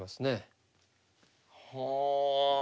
はあ。